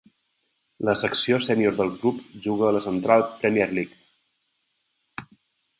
La secció sènior del club juga a la Central Premier League.